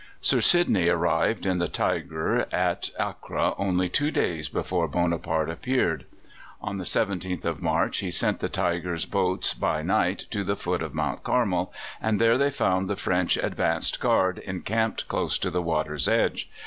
Sir Sidney arrived in the Tigre at Acre only two days before Bonaparte appeared. On the 17th of March he sent the Tigre's boats by night to the foot of Mount Carmel, and there they found the French advanced guard encamped close to the water's edge.